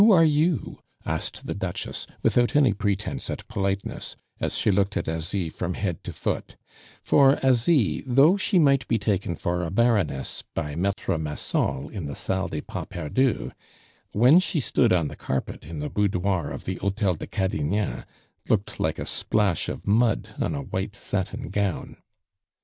"Who are you?" asked the Duchess, without any pretence at politeness, as she looked at Asie from head to foot; for Asie, though she might be taken for a Baroness by Maitre Massol in the Salle des Pas Perdus, when she stood on the carpet in the boudoir of the Hotel de Cadignan, looked like a splash of mud on a white satin gown.